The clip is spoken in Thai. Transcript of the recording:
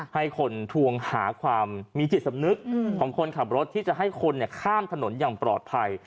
ให้คนทวงหาความมีจิตสำนึกของคนขับรถที่จะให้คนข้ามถนนอย่างปลอดภัย